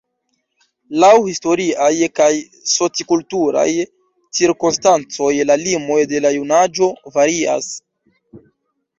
Laŭ historiaj kaj soci-kulturaj cirkonstancoj la limoj de la junaĝo varias.